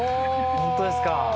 本当ですか。